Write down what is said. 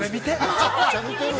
◆めちゃくちゃ見てるわ。